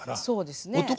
そうですね。